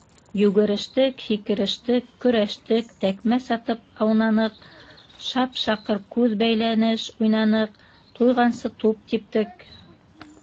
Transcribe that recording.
Йүгерештек, һикерештек, көрәштек, тәкмәс атып аунаныҡ, шап-шаҡыр, күҙ бәйләнеш уйнаныҡ, туйғансы туп типтек.